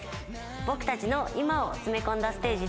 僕たちの今を詰め込んだステージです。